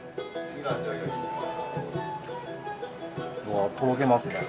うわあとろけますね。